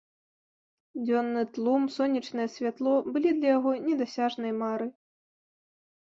Дзённы тлум, сонечнае святло былі для яго недасяжнай марай.